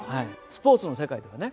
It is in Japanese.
スポーツの世界ではね